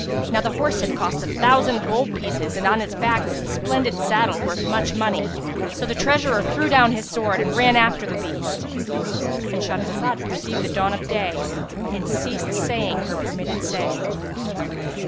Now the horse had cost a thousand gold pieces and on its back was a splendid saddle worth much money; so the treasurer threw down his sword, and ran after his beast.—And Shahrazad perceived the dawn of day and ceased saying her permitted say.